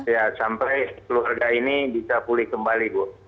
ya sampai keluarga ini bisa pulih kembali bu